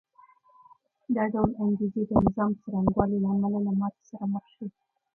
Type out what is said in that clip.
دا ډول انګېزې د نظام څرنګوالي له امله له ماتې سره مخ شوې